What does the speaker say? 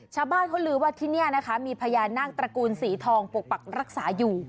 ชาวบ้านเขาลือว่าที่นี่นะคะมีพญานาคตระกูลสีทองปกปักรักษาอยู่